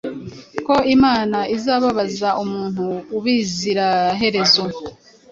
Ko Imana izababaza umuntu ubuziraherezo